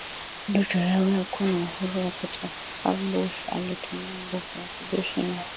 ndoto yao ya kuwa na uhuru wa kitaifaBush alitumia nguvu ya kijeshi na